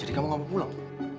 jadi kamu nggak mau pulang